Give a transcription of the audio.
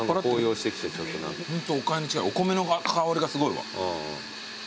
お米の香りがすごいわ。